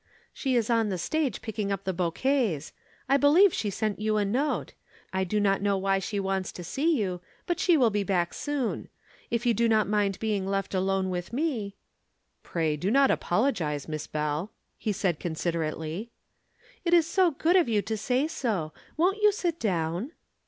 "She is on the stage picking up the bouquets. I believe she sent you a note. I do not know why she wants to see you, but she will be back soon. If you do not mind being left alone with me " "Pray do not apologize, Miss Bell," he said considerately. "It is so good of you to say so. Won't you sit down?"